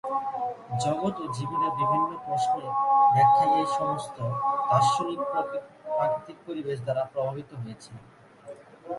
জগৎ ও জীবনের বিভিন্ন প্রশ্নের ব্যাখ্যায় এই সমস্ত দার্শনিক প্রাকৃতিক পরিবেশ দ্বারা প্রভাবিত হয়েছিলেন।